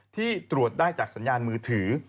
ที่ตรวจได้จากสัญญาณมือถือ